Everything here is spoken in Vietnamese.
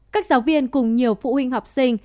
các giáo viên cùng nhiều phụ huynh học sinh